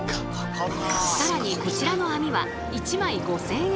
更にこちらの網は１枚５，０００円。